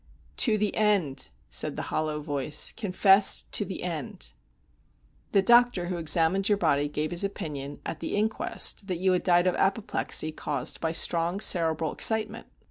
"To the end!" said the hollow voice. "Confess to the end!" "The doctor who examined your body gave his opinion, at the inquest, that you had died of apoplexy, caused by strong cerebral excitement.